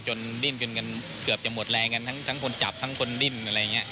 ดิ้นกันกันเกือบจะหมดแรงกันทั้งคนจับทั้งคนดิ้นอะไรอย่างนี้